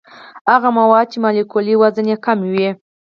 هغه مواد چې مالیکولي وزن یې کم وي.